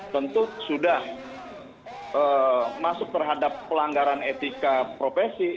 tentu sudah masuk terhadap pelanggaran etika profesi